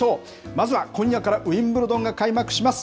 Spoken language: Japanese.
まずは今夜からウィンブルドンが開幕します。